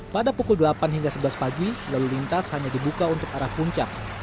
pada pukul delapan hingga sebelas pagi lalu lintas hanya dibuka untuk arah puncak